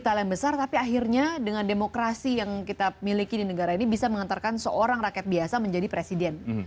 masalah yang besar tapi akhirnya dengan demokrasi yang kita miliki di negara ini bisa mengantarkan seorang rakyat biasa menjadi presiden